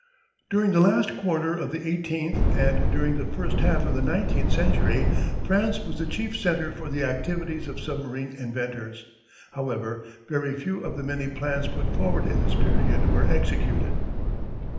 During the last quarter of the eighteenth and during the first half of the nineteenth century France was the chief centre for the activities of submarine inventors. However, very few of the many plans put forward in this period were executed.